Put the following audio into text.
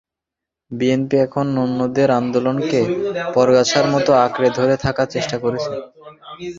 BNP এখন অন্যদের আন্দোলনকে পরগাছার মতো আঁকড়ে ধরে থাকার চেষ্টা করেছে।